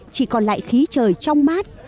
chỉ còn lại khí trời trong mát